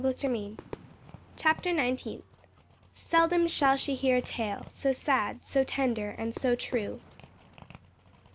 Chapter Nineteenth. "Seldom shall she hear a tale So sad, so tender, and so true."